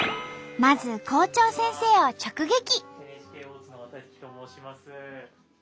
まず校長先生を直撃。